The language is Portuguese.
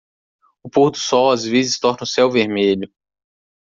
O pôr-do-sol às vezes torna o céu vermelho.